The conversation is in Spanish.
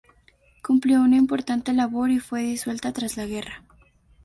Cumplió una importante labor y fue disuelta tras la guerra.